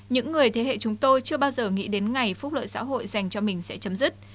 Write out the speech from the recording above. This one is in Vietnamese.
những người thế hệ chúng tôi chưa bao giờ nghĩ đến ngày phúc lợi xã hội dành cho mình sẽ chấm dứt